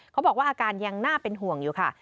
เขาบอกว่าอาการยังน่าเป็นห่วงอยู่ค่ะ